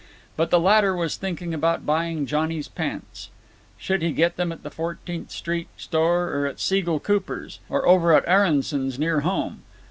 But the latter was thinking about buying Johnny's pants. Should he get them at the Fourteenth Street Store, or Siegel Cooper's, or over at Aronson's, near home?